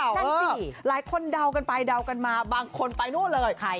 นั่นสิหลายคนเดากันไปเดากันมาบางคนไปนู่นเลย